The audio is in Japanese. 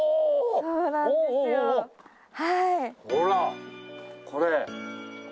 ほらこれ！